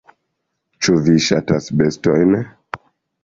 Ĉu vi ŝatas bestojn?